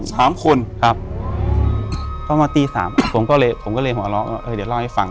สามคนครับพอมาตีสามผมก็เลยผมก็เลยหัวเราะว่าเออเดี๋ยวเล่าให้ฟัง